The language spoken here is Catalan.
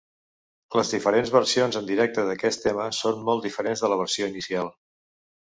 Les diferents versions en directe d'aquest tema són molt diferents de la versió inicial.